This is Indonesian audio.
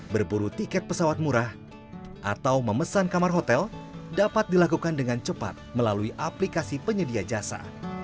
berburu tiket pesawat murah atau memesan kamar hotel dapat dilakukan dengan cepat melalui aplikasi penyedia jasa